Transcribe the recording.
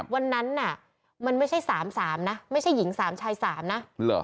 วันนั้นน่ะมันไม่ใช่๓๓นะไม่ใช่หญิง๓ชาย๓นะ